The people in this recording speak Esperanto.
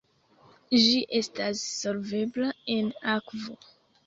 Ĝi estas solvebla en akvo.